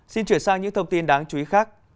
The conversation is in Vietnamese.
xin chuyển sang những thông tin đáng chú ý khác